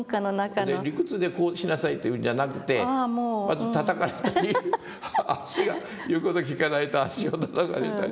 理屈でこうしなさいというんじゃなくてまずたたかれたり足が言う事聞かないと足をたたかれたり。